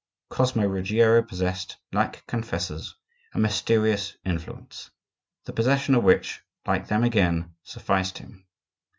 Cosmo Ruggiero possessed, like confessors, a mysterious influence, the possession of which, like them again, sufficed him.